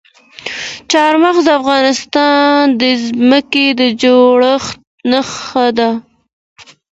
چار مغز د افغانستان د ځمکې د جوړښت نښه ده.